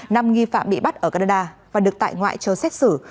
năm nghi phạm bị bắt ở canada và được tại ngoại cho xét xử